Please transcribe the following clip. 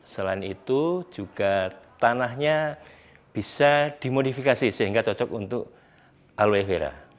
selain itu juga tanahnya bisa dimodifikasi sehingga cocok untuk aloevera